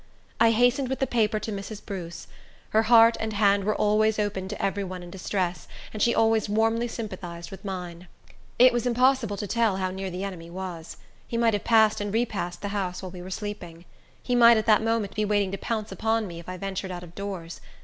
I hastened with the paper to Mrs. Bruce. Her heart and hand were always open to every one in distress, and she always warmly sympathized with mine. It was impossible to tell how near the enemy was. He might have passed and repassed the house while we were sleeping. He might at that moment be waiting to pounce upon me if I ventured out of doors.